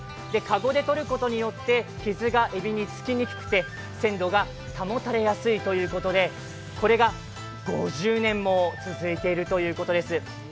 かごでとることによって、傷がえびにつきにくくて鮮度が保たれやすいということで、これが５０年も続いているということです。